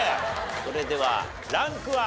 それではランクは？